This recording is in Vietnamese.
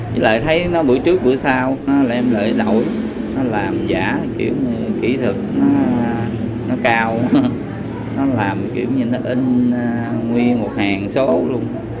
với lại thấy nó bữa trước bữa sau nó lên lại đổi nó làm giả kiểu kỹ thực nó cao nó làm kiểu như nó in nguyên một hàng số luôn